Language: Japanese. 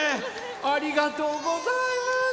ありがとうございます。